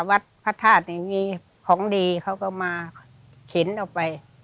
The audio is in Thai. วัดพระธาตุของดีเห็นออกไป